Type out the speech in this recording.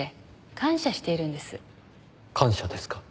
感謝ですか？